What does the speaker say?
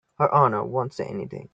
Her Honor won't say anything.